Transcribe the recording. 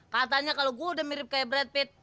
katanya kalau gue udah mirip kayak brad pitt